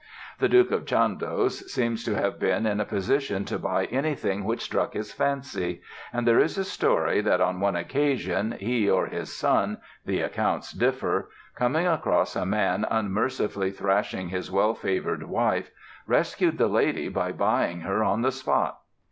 The Duke of Chandos seems to have been in a position to buy anything which struck his fancy and there is a story that on one occasion, he or his son (the accounts differ) coming across a man unmercifully thrashing his well favored wife, rescued the lady by buying her on the spot.